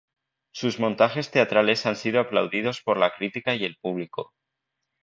Sus montajes teatrales han sido aplaudidos por la crítica y el público.